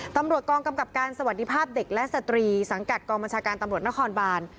ตำรวจกองกำกับการสวัสดีภาพเด็กและสตรีสังกัดกองบัญชาการตำรวจนครบาน